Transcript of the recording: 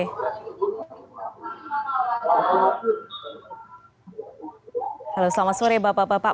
halo selamat sore bapak bapak